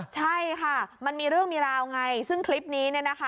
ใช่ค่ะมันมีเรื่องมีราวไงซึ่งคลิปนี้เนี่ยนะคะ